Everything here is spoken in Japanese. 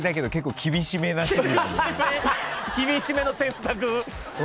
厳しめの選択。